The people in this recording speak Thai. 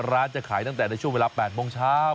ร้านจะขายตั้งแต่ในช่วงเวลา๘โมงเช้า